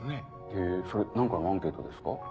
へぇそれ何かのアンケートですか？